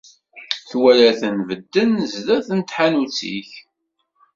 Twala-ten bedden sdat tḥanut-ik.